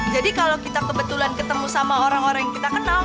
kalau kita kebetulan ketemu sama orang orang yang kita kenal